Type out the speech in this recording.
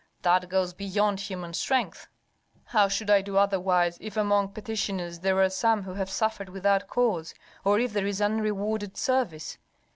That goes beyond human strength." "How should I do otherwise if among petitioners there are some who have suffered without cause, or if there is unrewarded service?